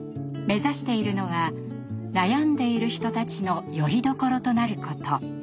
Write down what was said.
目指しているのは悩んでいる人たちのよりどころとなること。